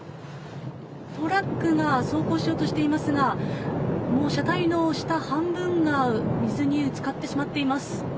トラックが走行しようとしていますが車体の下半分が水に漬かってしまっています。